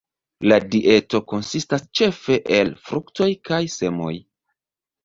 La dieto konsistas ĉefe el fruktoj kaj semoj.